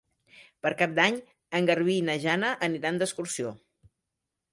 Per Cap d'Any en Garbí i na Jana aniran d'excursió.